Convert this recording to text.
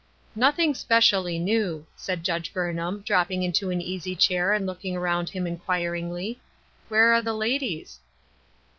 "Nothing specially new," said Judge Burn ham, dropping into an easy chair and looking around him inquiringly. " Where are the ladies